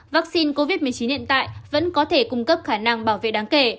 vaccine covid một mươi chín hiện tại vẫn có thể cung cấp khả năng bảo vệ đáng kể